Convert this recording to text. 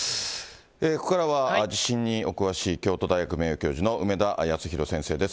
ここからは地震にお詳しい、京都大学名誉教授の梅田康弘先生です。